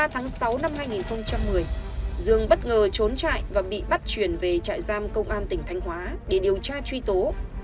tháng sáu năm hai nghìn một mươi dương bất ngờ trốn chạy và bị bắt chuyển về trại giam công an tỉnh thanh hóa để điều tra truy tố